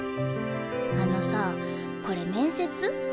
あのさこれ面接？